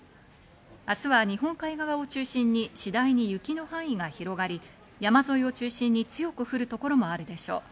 明日は日本海側を中心に次第に雪の範囲が広がり、山沿いを中心に強く降る所もあるでしょう。